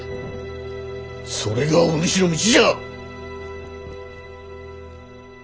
それがお主の道じゃ！